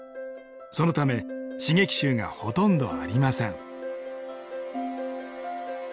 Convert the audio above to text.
そのため刺激臭がほとんどありません。